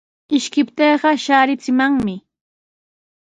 Ishkiptiiqa shaarichimanmi.